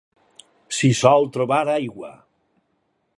S'hi sol trobar aigua.